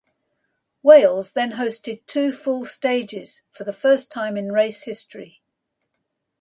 Wales then hosted two full stages for the first time in race history.